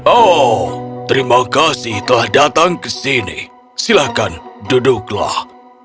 oh terima kasih telah datang ke sini silahkan duduklah